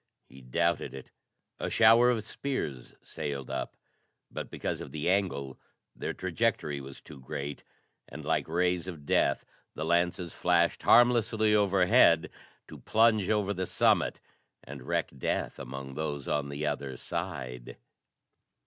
He doubted it. A shower of spears sailed up, but because of the angle, their trajectory was too great, and like rays of death the lances flashed harmlessly overhead to plunge over the summit and wreak death among those on the other side.